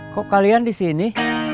kok kalian di sini